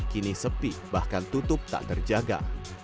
kini sepi bahkan tutup tak terjaga